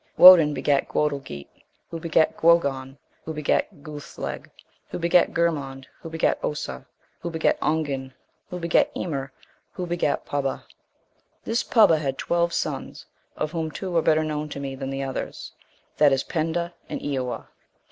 60. Woden begat Guedolgeat, who begat Gueagon, who begat Guithleg, who begat Guerdmund, who begat Ossa, who begat Ongen, who begat Eamer, who begat Pubba.* This Pubba had twelve sons, of whom two are better known to me than the others, that is Penda and Eawa.